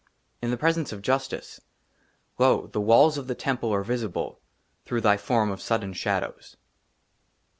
IN THE PRESENCE OF JUSTICE, LO, THE WALLS OF THE TEMPLE ARE VISIBLE THROUGH THY FORM OF SUDDEN SHADOWS.